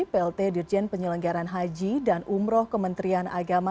plt dirjen penyelenggaran haji dan umroh kementerian agama